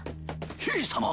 ひい様！